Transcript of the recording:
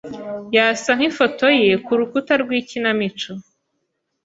Yasa nkifoto ye kurukuta rwikinamico.